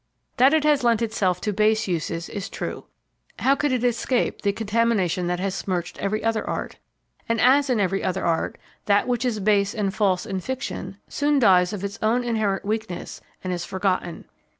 That it has lent itself to base uses is true. How could it escape the contamination that has smirched every other art? And, as in every other art, that which is base and false in fiction soon dies of its own inherent weakness and is forgotten.